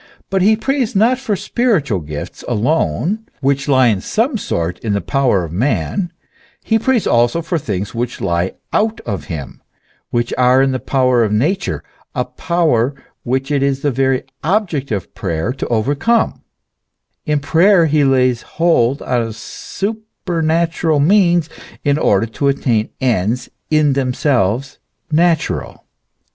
But he prays not for spiritual gifts* alone, which lie in some sort in the power of man ; he prays also for things which lie out of him, which are in the power of Nature, a power which it is the very object of prayer to overcome ; in prayer he lays hold on a supernatural means, in order to attain ends in themselves natural.